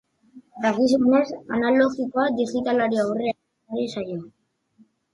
Dakizuenez, analogikoa digitalari aurrea hartzen ari zaio.